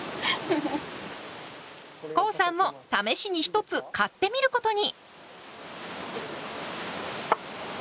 コウさんも試しに１つ買ってみることに。